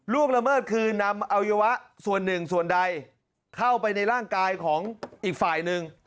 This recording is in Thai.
ละเมิดคือนำอวัยวะส่วนหนึ่งส่วนใดเข้าไปในร่างกายของอีกฝ่ายหนึ่ง